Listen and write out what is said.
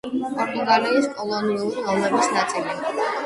პორტუგალიის კოლონიური ომების ნაწილი.